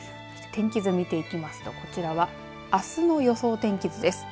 天気図見ていきますと、こちらはあすの予想天気図です。